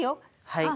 はい。